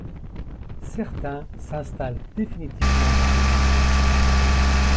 Certains s'installent définitivement dans ces villes.